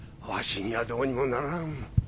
わしにはどうにもならん。